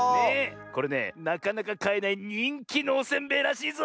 これねなかなかかえないにんきのおせんべいらしいぞ！